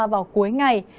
vào cuối ngày